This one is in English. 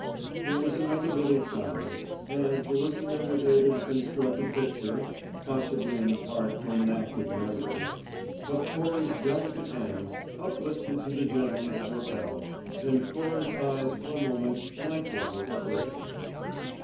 There was another little silence; and the listener was able to construct a picture (possibly in part from an active memory) of Cora's delicate hands uplifted to the gentleman's lapel and Cora's eyes for a moment likewise uplifted.